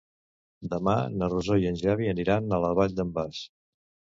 Demà na Rosó i en Xavi aniran a la Vall d'en Bas.